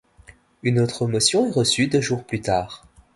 Une autre motion est reçue deux jours plus tard.